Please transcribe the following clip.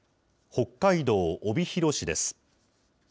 北海道帯広市です。